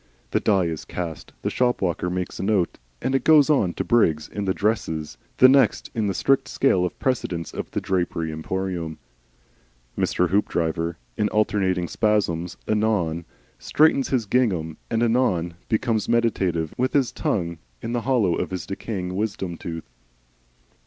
The die is cast. The shop walker makes a note of it and goes on to Briggs in the "dresses," the next in the strict scale of precedence of the Drapery Emporium. Mr. Hoopdriver in alternating spasms anon straightens his gingham and anon becomes meditative, with his tongue in the hollow of his decaying wisdom tooth.